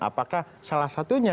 apakah salah satunya